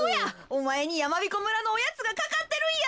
おまえにやまびこ村のおやつがかかってるんや。